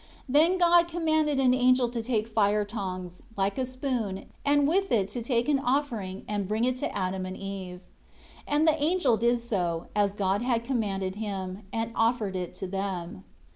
14 Then God commanded an angel to take fire tongs, like a spoon, and with it to take an offering and bring it to Adam and Eve. And the angel did so, as God had commanded him, and offered it to them.